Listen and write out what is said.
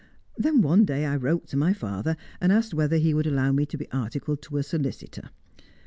Then one day I wrote to my father, and asked whether he would allow me to be articled to a solicitor.